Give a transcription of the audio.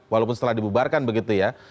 walaupun setelah dibubarkan begitu ya